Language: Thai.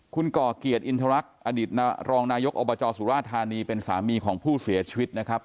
คุณก่อเกียรติอินทรรักษ์อดีตรองนายกอบจสุราธานีเป็นสามีของผู้เสียชีวิตนะครับ